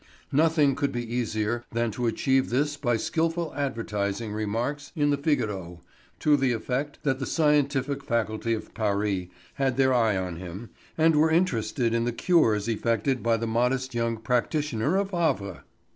Nothing could be easier than to achieve this by skilful advertising remarks in the Figaro to the effect that the scientific faculty of Paris had their eye on him, and were interested in the cures effected by the modest young practitioner of Havre!